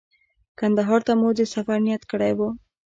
کندهار ته مو د سفر نیت کړی و.